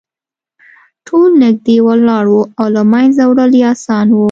ټول نږدې ولاړ وو او له منځه وړل یې اسانه وو